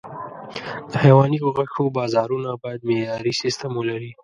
د حيواني غوښو بازارونه باید معیاري سیستم ولري.